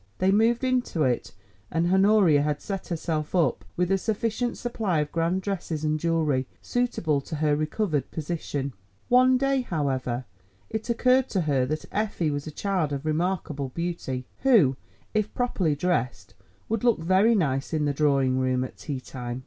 They moved into it, and Honoria had set herself up with a sufficient supply of grand dresses and jewellery, suitable to her recovered position. One day however, it occurred to her that Effie was a child of remarkable beauty, who, if properly dressed, would look very nice in the drawing room at tea time.